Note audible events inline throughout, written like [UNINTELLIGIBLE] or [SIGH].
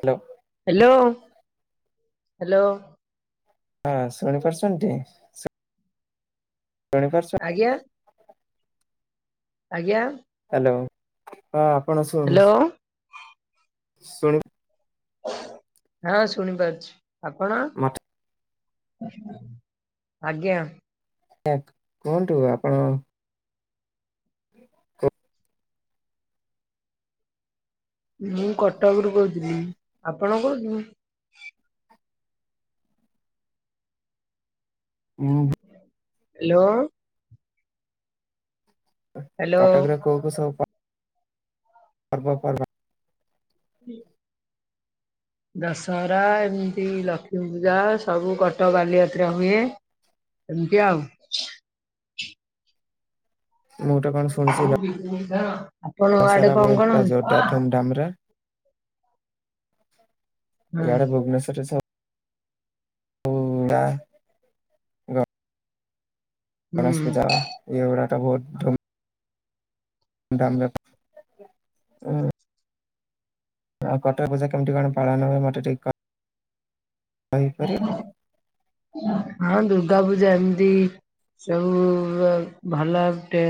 Hello hello hello. ହଁ ସୁଣି ପାରୁଚନ୍ତି? ଜାଣି ପାରୁଚ? ଆଜ୍ଞା? ଆଜ୍ଞା? ହାଲୋ ହଁ ଆପଣ ଶୁ ହ୍ୟାଲୋ ଶୁଣ ହଁ ଶୁଣିପାରୁଛି। ଆପଣ? ମତ ଆଜ୍ଞା। ଜ୍ଞା କୁହନ୍ତୁ ଆପଣ ମୁଁ କଟକରୁୁ କହୁଥିଲି ଆପଣ କହୁଠୁ? ମୁଁ ହେଲୋ। ହ୍ୟାଲୋ କଟକରେ କଉ କଉ ସବୁ ପର୍ବପରବା [INAUDIBLE] ଦଶହରା, ଏମିତି ଲକ୍ଷ୍ମୀ ପୂଜା, ସବୁ କଟକ ବାଲିଯାତ୍ରା ହୁଏ। ଏମିତି ଆଉ। ମୁଁ ଗୋଟେ କଣ ଶୁଣିଚି ବା ଆପଣଙ୍କ ଆଡେ ଦଶହରା କଣ ହୁଏ କଣ ପୁରା ଜୋରଦା ଧୁମ ଧାମ ରେ। ହଁ ଇଆଡେ଼ ଭୁବନେଶ୍ୱରରେ ସ ହୁଁ ବା। ହୁଁ ଗଣେଶ ପୂଜା ଏଇଗୁଡା ତ ବହୁତ ଧୁମ ଦାମଟା ଉଁ ହୁଁ ଆଉ କଟକ ପୂଜା କେମିତି କଣ ପାଳନ ହୁଏ ମତେ ଟିକ କହ ହଁ, ଦୁର୍ଗା ପୂଜା ଏମିତି ସେଓ ଭଲ ଗୋଟେ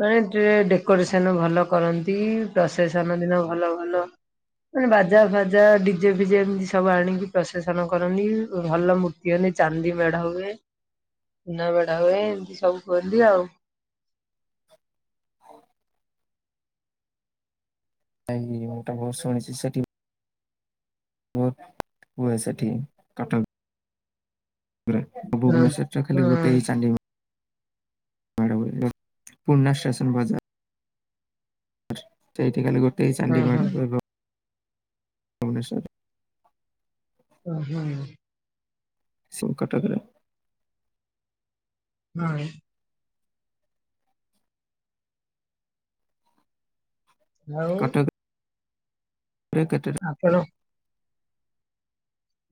ଫ୍ରଣ୍ଟ ରେ ଡେକୋରେସନ ଭଲ କରନ୍ତି, ପ୍ରସେସନ ଦିନ ଭଲ ଭଲ ମାନେ ବାଜା ଫାଜା ଡିଜେ ଫିଜେ ଏମିତି ସବୁ ଆଣିକି ପ୍ରସେସନ କରନି ଭଲ ମୂର୍ତ୍ତି ହୁଏନି ଚାନ୍ଦି ମେଢ ହୁଏ। ସୁନା ମେଢ ହୁଏ ଏମିତି ସବୁ କୁହନ୍ତି ଆଉ। ଭାଇ, ମୁଁତ ବହୁତ ଶୁଣିଚି ସେଠି ବହୁତ ହୁଏ ସେଠି କଟକ ହଁ। ଭୁବନେଶ୍ୱରରେ ତ ହୁଁ ଖାଲି ଗୋଟେ ଚାନ୍ଦୀ ମେଢ଼ ପୁରୁଣା ଷ୍ଟେସନବଜାର ସେଇଠି ଖାଲି ଗୋଟେଇ ହୁଁ ଚାନ୍ଦୀ ମେଡ଼ ହୁଁ ହୁଏ ଗୋ ଭୁବନେଶ୍ୱରରେ। ଓଃ, ହ। ସବୁ କଟକରେ ନାଇଁ। ଆଉ କଟକ ରେ କେତେଟା ଆପଣ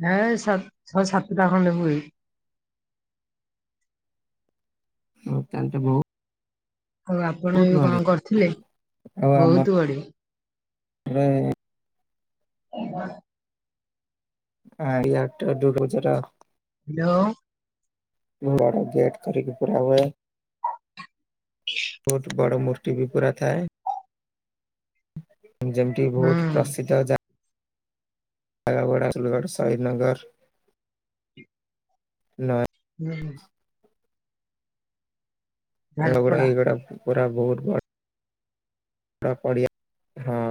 ନାଇ ଛ, ଛ ସାତଟା ଖଣ୍ଡେ ହୁଏ। ଓ ତାହାଲେ ତ ବହୁ ଆଉ ଆପଣ ଏବେ କଣ କରୁଥିଲେ? ବହୁତ ବଢିଆ ମୁଁ ଏ ୱାନ ଆଳିଆ ଟପରୁ [UNINTELLIGIBLE] ହାଲୋ। ବଡଗେଟ କରିକି ପୂରା ହୁଏ। ବହୁତ ବଡ ମୂର୍ତ୍ତି ବି ପୁରା ଥାଏ। ଯେମିତି କି ହୁଁ ବହୁତ ପ୍ରସିଦ୍ଧ ଜା ରାୟଗଡା ସୁନ୍ଦରଗଡ଼ ଶହିଦନଗର ନ ହୁଁ ହୁଁ। ଆଉଗୁଡା ଝାଡପଡା ଏଇଗୁଡା ପୁରା ବହୁତ ବ ପୁରା ପଡିଆ ହଁ।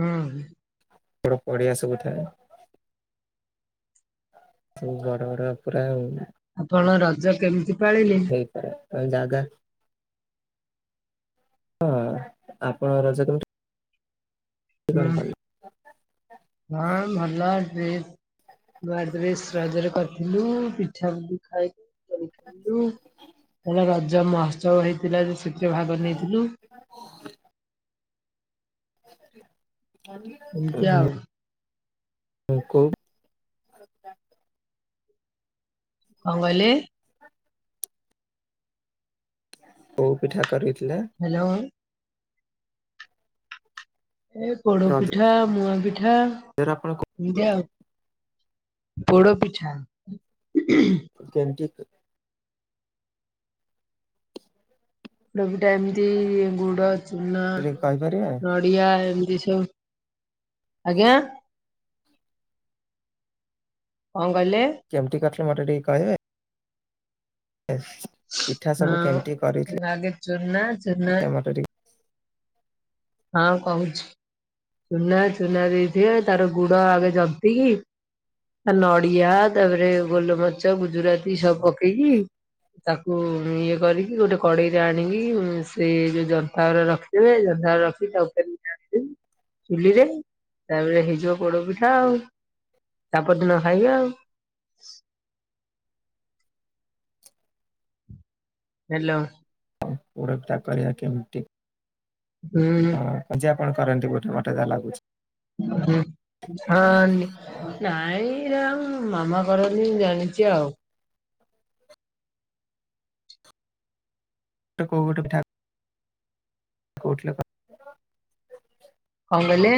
ହୁଁ। ଗୁଡା ପଡ଼ିଆ ସବୁ ଥାଏ। ସବୁ ବଡ ବଡ଼ ପୁରା ଆଉ ଆପଣ ରଜ କେମିତି ପାଳିଲେ? ଏପର କାଇଁ ଜାଗା? ହଁ, ଆପଣଙ୍କର ରଜ କେମିତି ହୁଁ। [UNINTELLIGIBLE] ହଁ ଭଲ ଡ୍ରେସ ନୂଆଡ୍ରେସ ରଜରେ କରିଥିଲୁ, ପିଠା ବି ଖାଇଵାକୁ କରିଥିଲୁ। ଏଇନା ରଜ ମହୋତ୍ସବ ହେଇଥିଲା ଯେ ସେଥିରେ ଭାଗ ନେଇଥିଲୁ। ସେଟାରେ କଣ ହୁଏ? ଉହୁଁ ଏମିତି ଆଉ ହୁଁ କଉ କଣ କହିଲେ? କୋଉ ପିଠା କରିଥିଲେ? ହେଲୋ। ଏ ପୋଡପିଠା ମୁଆପିଠା। ଏଟା ଆପଣ ଙ୍କୁ ନ୍ତି ଆଉ ପୋଡପିଠା କେମିତି? ଗୁଟା ଗୁଟେଏ ଏମିତି ଗୁଡ ଚୁନ କହିପାରିବେ ନ ଡିଆ ଏମତି ସବୁ ଆଜ୍ଞା। କଣ କହିଲେ? କେମତି କରିଥିଲେ ମୋତେ ଟିକେ କହିବେ? ପିଠା ସବୁ କେମିତି ହଁ କରିଥି ଆଗେ ଚୁନା ଚୁନା ଏ ମନ? ହଁ କହୁଚି। ଚୁନା ଚୁନା ଦେଇଥିବେ, ତାର ଗୁଡ ଆଗେ ଜନ୍ତି କିି ଆ ନଡିଆ ତାପରେ ଗୋଲମରିଚ ଗୁଜୁରାତି ସବୁ ପକେଇକି ତାକୁ ଇଏ କରିକି ଗୋଟେ କଡେଇରେ ଆଣିକି ସେ ଯୋଉ ଯନ୍ତାର ର କି ନା ରଖିକି ତା ଉପରେ ଦେଇଦେବେ ଚୁଲିରେ ତାପରେ ହେଇଯିବ ପୋଡପିଠା ଆଉ ତାପରଦିନ ଖାଇବେ ଆଉ। ହାଲୋ। ପୋଡ଼ପିଠା କରିବା କେମତି ହୁଁ କଣ? ଭଜା କଣ କରନ୍ତି ବୋଧେ ମୋତେ ଯାହା ଲାଗୁଛି। ହଁ। ହଁ ନାଇଁ ର ମାମା କରନ୍ତି ମୁଁ ଜାଣିଚି ଆଉ। ଟା କଉ ଗୋଟେ ପିଠା କହୁଥିଲ କ କଁ କହିଲେ?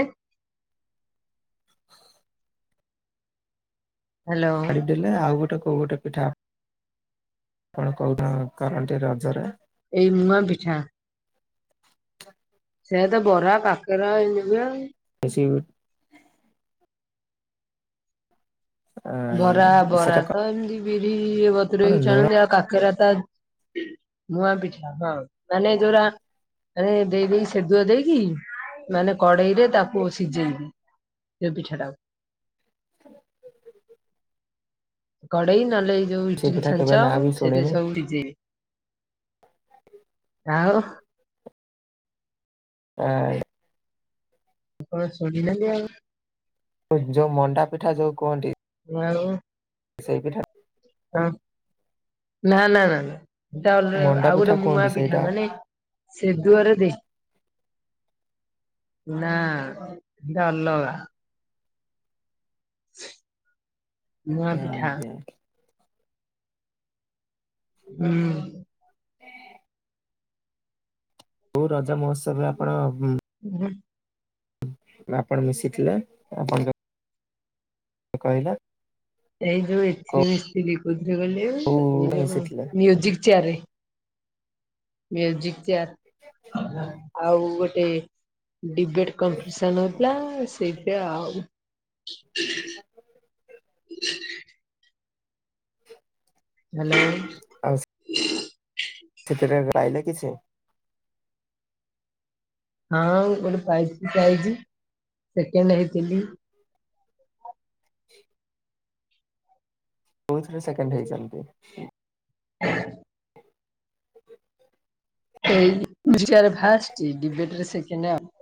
ହାଲୋ ଆଡ଼ିଦେଲୁ। ଏ ଆଉ ଗୋଟେ କୋଉ ଗୋଟେ ପିଠା ଆପଣ କୋଉ କଣ କରନ୍ତି ରଜରେ? ଏଇ ମୁଆପିଠା। ସେ ତ ବରା କାକେରା ଏଇ ନିବେ ଆଉ। ମିସେଇ ବରା ବରା ସେଟା ତ ଏମିତି ବିରି କଣ ବତୁରକି ଲୁଣ ଛାଣନ୍ତି ଆଉ କାକେରା ଟା ମୁଆପିଠା ହଁ ମାନେ ଯୋରା ମାନେ ଦେଇ ଦେଇକି ସେଦୁଅ ଦେଇକି ମାନେ କଡେଇରେ ତାକୁ ସିଝେଇକି ଯେ ପିଠାଟାକୁ କଡେଇ ନହେଲେ ଯୋଉ ସେ ଇଟିଲି ପିଠା କେବେ ଛାଞ୍ଚ ନାଁ ବି ସେଥିରେ ଶୁଣିନି ସବୁ ସିଜେଇବି ଆଉ ଆଁ ଆପଣ ଶୁଣିଲେନି ଆଉ ଏ ଯୋଉ ମଣ୍ଡା ପିଠା ଯୋଉ କୁହନ୍ତି ନା ଆଉ ସେଇ ପିଠା? ହ ନା ନା ନା। ହେଟା ଅଲ ମଣ୍ଡା ଆଉ ପିଠା ଗୋଟେ କୁହନ୍ତି ମୁଆପିଠା ସେଇଟା ମାନେ ସେଦୁଅରେ ଦେଇ ନାଁ ହେଟା ଅଲଗା। ମୁଆଁ ଆଜ୍ଞା ପିଠା ଆଜ୍ଞା। ହୁଁ। [INAUDIBLE] କଉ ରଜ ମହୋତ୍ସବରେ ଆପଣ ହୁଁ ହୁଁ ଆପଣ ମିଶିଥିଲେ ଆପଣ ଜ ତ କହିଲ ଏଇ ଯୋଉ ଏଥିରେ ମିସିଥିଲି କୋଉଥିରେ କହିଲେ କୋଉ ଏଇ ଯୋଉ ମିଶିଥିଲେ ମ୍ୟୁଜିକ ଚେୟାରରେ। ମ୍ୟୁଜୀକ ଚେୟାର ଆଉ ଗୋଟେ ଡିବେଟ କମ୍ପିସନ ହୋଉଥିଲା ସେଇଥିରେ ଆଉ। [INAUDIBLE] [INAUDIBLE] ହ୍ୟାଲୋ। ଆଉ ସେଥିରେ ଗାଇଲେ କିଛି ହଁ ଗୋଟେ ପ୍ରାଇଜ୍ ବି ପାଇଚି। ସେକେଣ୍ଡ ହେଇଥିଲି। କୋଉଥିରେ ସେକେଣ୍ଡ ହେଇଛନ୍ତି? ହଁ। ଏଇ ମ୍ୟୂଜିକ ଚେୟାରରେ ଫାଷ୍ଟ। ଡିବେଟ ରେ ସେକେଣ୍ଡ ଆଉ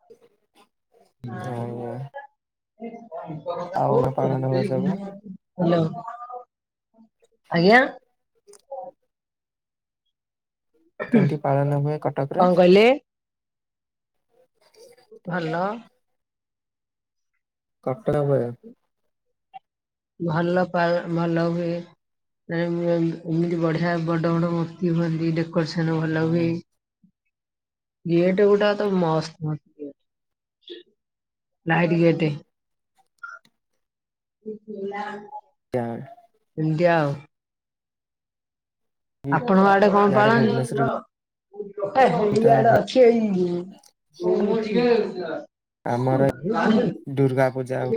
[INAUDIBLE] ଆଜ୍ଞା ହ ଆଉ ପାଳନ ସେ ହୁଏ ସବୁ ହ୍ୟାଲୋ ଆଜ୍ଞା। କେମିତି ପାଳନ ହୁଏ କଣ କଟକରେ? କହିଲେ? ଭଲ। କଟକ ପରେ ଭଲ ପାଳ ଭଲ ହୁଏ। ନାଇମ ଏମ୍ ଏମିତି ବଢିଆ ବଡ ବଡ ମୂର୍ତି ହୁଅନ୍ତି। ଡେକୋରେସନ ଭଲ ହୁଏ। [INAUDIBLE] ଗେଟେ ଗୁଡ଼ା ତ ମସ୍ତ ମସ୍ତ ହୁଏ। ନାଇଟି ଗେଟ୍ [INAUDIBLE] ତାଡ଼ ଏମତି ଆଉ। ଆପଣଙ୍କ ଆଡେ କଣ ଇଆଡେ ଭୁବନେଶ୍ଵର ପାଳନ୍ତି? ହେ ବିଟା ହେଇଆଡେ ଅଛି ଏଇ ଆମର [INAUDIBLE] ଦୁର୍ଗା ପୂଜା ହଉ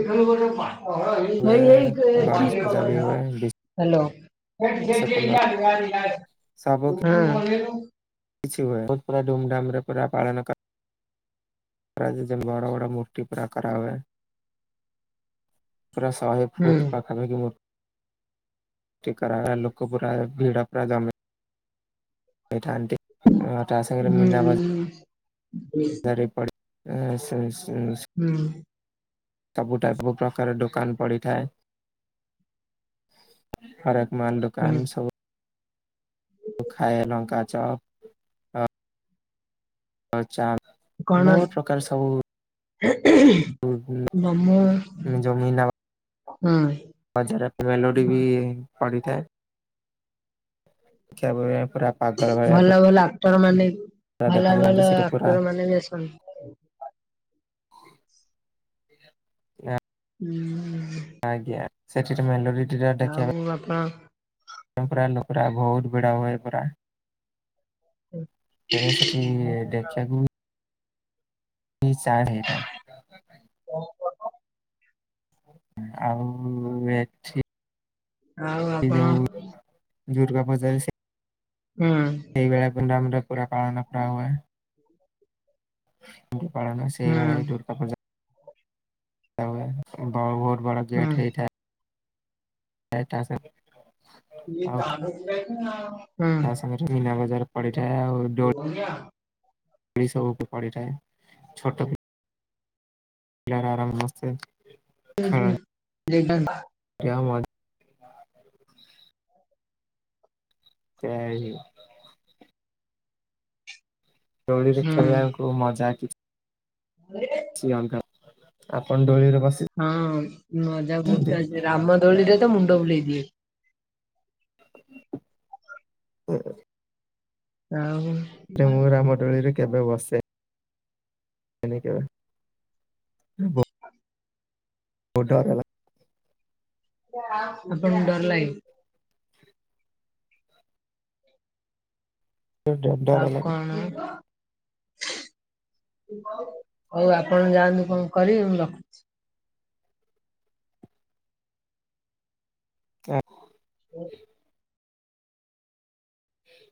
ଗଣେଶ ପୂଜା ବି ହୁଏ ହ୍ୟାଲୋ। ବିଶ୍ୱକର୍ମା ସବୁ [UNINTELLIGIBLE] କିଛି ହୁଏ ବହୁ ପୁରା ଧୁମଧାମ ରେ ପୁର ପାଳନ ଜ ବଡ଼ ବଡ ମୂର୍ତ୍ତି ପୁରା କରାହୁଏ। ପୁରା ଶହେ ଫୁଟ କ ଭାବିକି ମୋର କର ଲୋକ ପୁରା ଭିଡା ପୁରା ଜମେ ହେଇଥାନ୍ତି, ତା ସାଙ୍ଗରେ ମିନା ବ ହୁଁ ଉଁ ହୁଁ ଉଁ [UNINTELLIGIBLE] ହୁଁ ଉଁ ସବୁ ଟାଇପ ପ୍ରକାର ଦୋକାନ ପଡିଥାଏ। ହର ଏକ ମାଲ ଦୋକାନ ସବ ଉଖାଏ ଲଙ୍କା ଚପ ଆଉ ଚା, ବହୁତ ପ୍ରକାର ସବୁ ମମ ଯୋଉ ମୀନା ହଁ ବଜାର ମେଲୋଡି ବି ପଡ଼ିଥାଏ। ଖିଆ ପିଆ ପୁରା ପାଗଳ ଭଳିଆ ଭଲ ଭଲ ଆକ୍ଟର ମାନେ, ପୁରା ଭଲ ଦେଖନ୍ତି ଭଲ ସେଠି ପୁରା ଆକ୍ଟର ମାନେ ବି ଆସନ୍ତି। [UNINTELLIGIBLE] ହୁଁ ଉଁ ଆଜ୍ଞା ସେଠିରେ ମେଲା ବି ଦେଖିବା ଆଉ ପାଇଁ ଆପଣ ପୁରା ଲ ପା ବହୁତ ବଡ଼ା ହୁ ପୁରା। ହୁଁ ଉଁ ତେମେ ସେଠି ଦେଖିବାକୁ [UNINTELLIGIBLE] ହେଇଥାଏ। [UNINTELLIGIBLE] ଆଉ ଏଠି ଆଉ ସେ ଆପଣ ଯୋଉ ଦୁର୍ଗା ପୂଜାର ସେ ହୁଁ ଉଁ ସେଇବେଳେ ପୂର୍ଣ୍ଣମୀ ଟା ପୁରା ପାଳନ କରାହୁଏ। [INAUDIBLE] ପାଳନ ହୁଁ ହୁଁ। ସେଇଭଳି ଦୁର୍ଗାପୂଜା ତା ବ ବହୁତ ବଡ ହୁଁ। ଗେଟ ହେଇଥାଏ। [UNINTELLIGIBLE] ଆଉ ତା ସାଙ୍ଗରେ ମୀନା ବଜାର ପଡିଥାଏ ଆଉ ଦୋଳି [UNINTELLIGIBLE] [UNINTELLIGIBLE] [UNINTELLIGIBLE] ଖେଳନ୍ତି [UNINTELLIGIBLE] [UNINTELLIGIBLE] [UNINTELLIGIBLE] [UNINTELLIGIBLE] ଦଉଳିରେ ଖେଳିବାକୁ ମଜା କିଛି [UNINTELLIGIBLE] ଆପଣ ଦୋଳିରେ ବସ ହଁ ମଜା ବହୁତ ଅଛି, ରାମ ଦୋଳିରେ ତ ମୁଣ୍ଡ ବୁଲେଇ ଦିଏ। ହଁ ଆଉ ମୁଁ ରାମଟୋଳିରେ କେବେ ବସେ [UNINTELLIGIBLE] [UNINTELLIGIBLE] ଆପଣଙ୍କୁ ଡର ଲାଗେ? ଲାଗେ ଆଉ ଡର ଲାଗେ କ'ଣ? ହଉ ଆପଣ ଯାଆନ୍ତୁ କ'ଣ କରିବେ ମୁଁ ରଖୁ [UNINTELLIGIBLE]